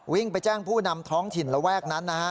วิ่งไปแจ้งผู้นำท้องถิ่นระแวกนั้นนะฮะ